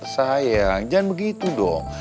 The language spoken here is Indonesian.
sayang jangan begitu dong